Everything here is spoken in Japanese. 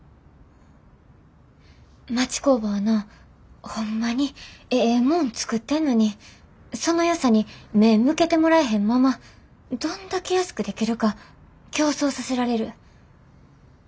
町工場はなホンマにええもん作ってんのにそのよさに目ぇ向けてもらえへんままどんだけ安くできるか競争させられる。